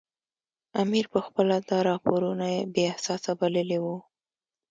امیر پخپله دا راپورونه بې اساسه بللي وو.